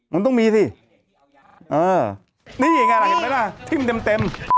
มันต้องมีสิเออนี่ไงล่ะเห็นไหมล่ะทิ่มเต็ม